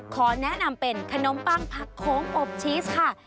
ขอแนะนำเป็นขนมปังผักโค้งอบชีสค่ะ